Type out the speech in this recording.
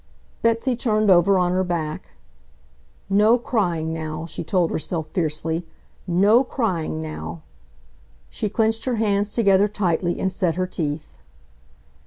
Betsy turned over on her back. "No crying, now!" she told herself fiercely. "No crying, now!" She clenched her hands together tightly and set her teeth.